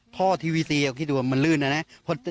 ท่อทีวีซีคิดว่ามันลื่นอ่ะนะ